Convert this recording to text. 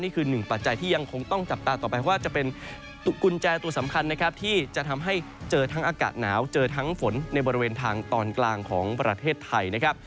หนึ่งปัจจัยที่ยังคงต้องจับตาต่อไปเพราะว่าจะเป็นกุญแจตัวสำคัญนะครับที่จะทำให้เจอทั้งอากาศหนาวเจอทั้งฝนในบริเวณทางตอนกลางของประเทศไทยนะครับ